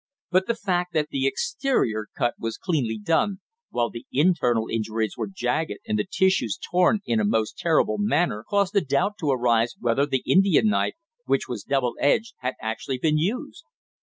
But the fact that the exterior cut was cleanly done, while the internal injuries were jagged and the tissues torn in a most terrible manner, caused a doubt to arise whether the Indian knife, which was double edged, had actually been used.